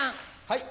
はい。